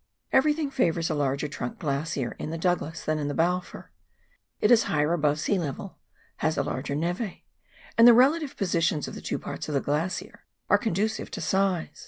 Everything favours a larger trunk glacier in the Douglas than in the Balfour ; it is higher above sea level, has a larger neve, and the relative positions of the two parts of the glacier are conducive to size.